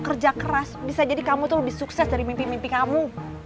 kerja keras bisa jadi kamu tuh lebih sukses dari mimpi mimpi kamu